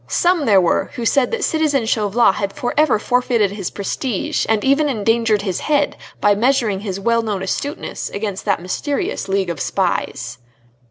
Some there were who said that citizen Chauvelin had for ever forfeited his prestige, and even endangered his head by measuring his well known astuteness against that mysterious League of spies.